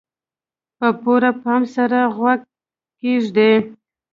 په پوره پام سره غوږ کېږدئ.